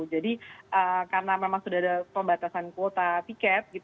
jadi karena memang sudah ada pembatasan kuota tiket